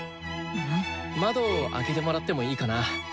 窓開けてもらってもいいかな？